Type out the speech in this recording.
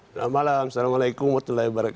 selamat malam assalamualaikum wr wb